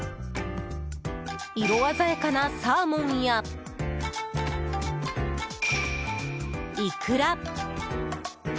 色鮮やかなサーモンやイクラ！